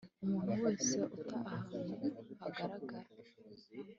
Umuntu wese uta ahantu hagaragara